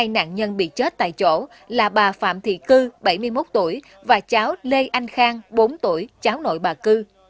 hai nạn nhân bị chết tại chỗ là bà phạm thị cư bảy mươi một tuổi và cháu lê anh khang bốn tuổi cháu nội bà cư